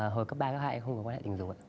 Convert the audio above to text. hồi cấp ba cấp hai em không có quan hệ tình dục